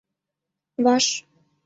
Ваш.